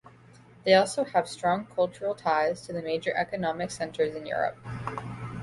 They also have strong cultural ties to the major economic centers in Europe.